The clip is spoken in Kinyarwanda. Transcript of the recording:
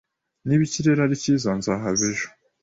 Niba ikirere ari cyiza, nzahava ejo